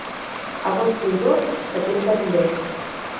Agost plujós, setembre abundós.